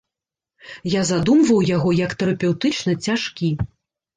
Я задумваў яго як тэрапеўтычна цяжкі.